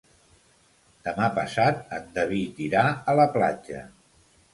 Demà passat en David irà a la platja.